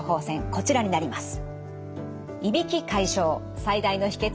こちらになります。